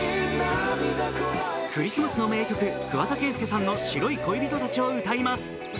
クリスマスの名曲、桑田佳祐さんの「白い恋人達」を歌います。